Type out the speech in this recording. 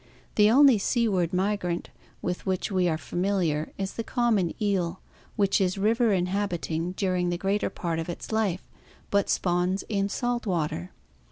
The only seaward migrant with which we are familiar is the common eel, which is river inhabiting during the greater part of its life but spawns in salt water (see page 80).